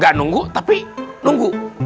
gak nunggu tapi nunggu